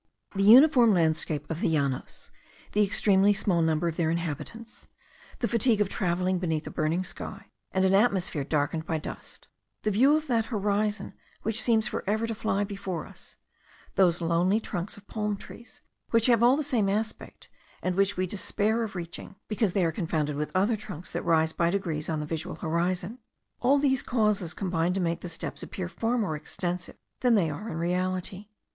The uniform landscape of the Llanos; the extremely small number of their inhabitants; the fatigue of travelling beneath a burning sky, and an atmosphere darkened by dust; the view of that horizon, which seems for ever to fly before us; those lonely trunks of palm trees, which have all the same aspect, and which we despair of reaching, because they are confounded with other trunks that rise by degrees on the visual horizon; all these causes combine to make the steppes appear far more extensive than they are in reality.